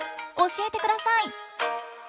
教えてください！